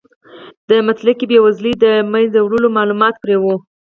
د مطلقې بې وزلۍ د له منځه وړلو مالومات پرې و.